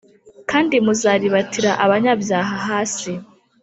Kandi muzaribatira abanyabyaha hasi